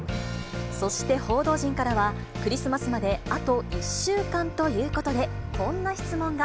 そして報道陣からは、クリスマスまであと１週間ということで、こんな質問が。